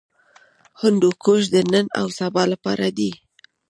هندوکش د نن او سبا لپاره دی.